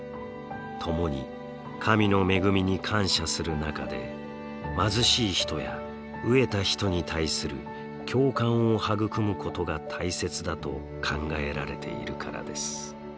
共に神の恵みに感謝する中で貧しい人や飢えた人に対する共感を育むことが大切だと考えられているからです。